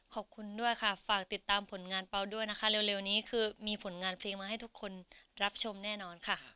ขอบคุณด้วยค่ะฝากติดตามผลงานเปล่าด้วยนะคะเร็วนี้คือมีผลงานเพลงมาให้ทุกคนรับชมแน่นอนค่ะ